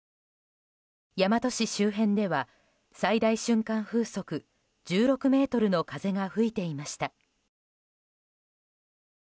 大和市周辺では最大瞬間風速１６メートルの風が吹いていました。